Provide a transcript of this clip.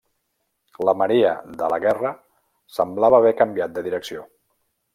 La marea de la guerra semblava haver canviat de direcció.